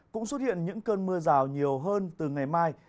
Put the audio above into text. cũng xuất hiện những cơn mưa rào nhiều hơn từ ngày mai